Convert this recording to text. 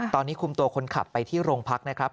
ตอนนี้คุมตัวคนขับไปที่โรงพักนะครับ